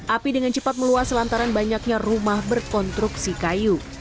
api dengan cepat meluas lantaran banyaknya rumah berkonstruksi kayu